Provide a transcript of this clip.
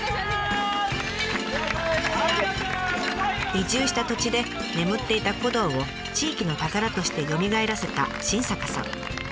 移住した土地で眠っていた古道を地域の宝としてよみがえらせた新坂さん。